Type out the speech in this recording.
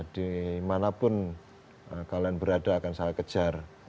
di mana pun kalian berada akan saya kejar